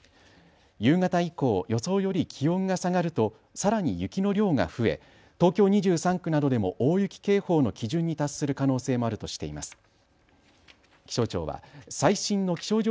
夕方以降、予想より気温が下がるとさらに雪の量が増え東京２３区などでも大雪警報の基準に達する可能性もあるとしています。